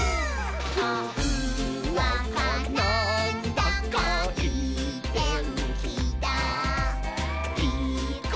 「ほんわかなんだかいいてんきだいいことありそうだ！」